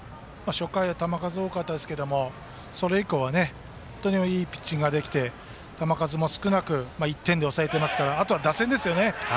初回球数が多かったですけどそれ以降本当にいいピッチングができて球数も少なく１点で抑えていますからあとは打線ですよね。